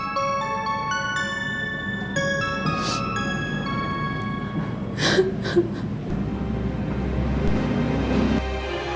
tidak ada suara orang nangis